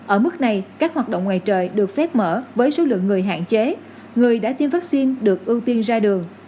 ở mức này các hoạt động ngoài trời được phép mở với số lượng người hạn chế người đã tiêm vaccine được ưu tiên ra đường